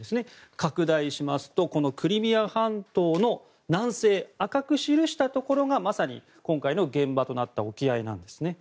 拡大しますとクリミア半島の南西赤く記したところがまさに今回の現場となった沖合なんですね。